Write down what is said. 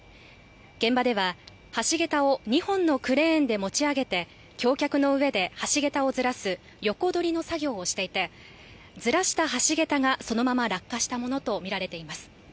現場では、橋げたを２本のクレーンで持ち上げて橋脚の上で橋げたをずらす横取りの作業をしていて、ずらした橋げたがそのまま落下したものとみられています。